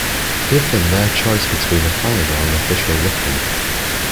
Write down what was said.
Give them their choice between a fine or an official whipping.